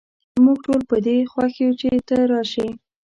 موږ ټول په دي خوښ یو چې ته راشي